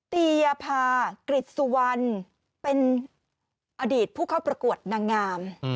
ตียภากริจสุวรรณเป็นอดีตผู้เข้าประกวดนางงาม